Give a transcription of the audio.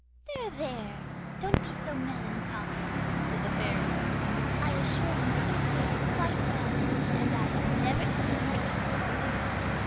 'There, there, don't be melancholy,' said the Fairy. 'I assure you the Princess is quite well, and I have never seen her equal for beauty.